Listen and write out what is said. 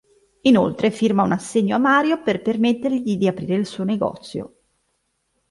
Inoltre firma un assegno a Mario per permettergli di aprire il suo negozio.